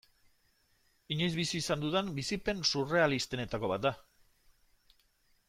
Inoiz bizi izan dudan bizipen surrealistenetako bat da.